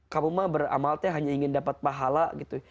kamu mah beramal hanya ingin dapat pahala gitu